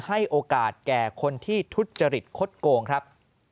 ให้โอกาสแก่คนที่ทุจริตคดโกงครับ